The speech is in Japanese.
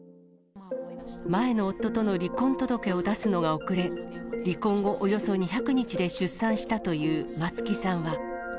前の夫との離婚届を出すのが遅れ、離婚後、およそ２００日で出産したという松木さんは。